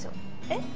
えっ？